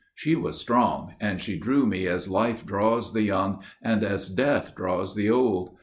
"She was strong, and she drew me as life draws the young And as death draws the old.